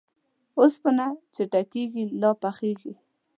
اوسپنه چې ټکېږي ، لا پخېږي.